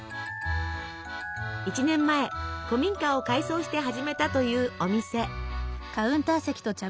１年前古民家を改装して始めたというお店。